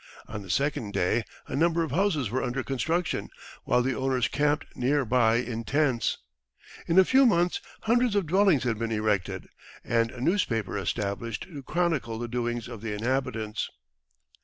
On the second day a number of houses were under construction, while the owners camped near by in tents. In a few months hundreds of dwellings had been erected, and a newspaper established to chronicle the doings of the inhabitants.